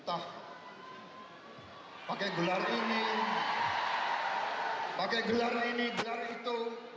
entah pakai gelar ini pakai gelar ini gelar itu